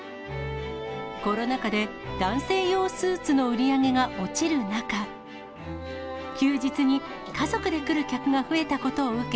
コロナ禍で、男性用スーツの売り上げが落ちる中、休日に家族で来る客が増えたことを受け、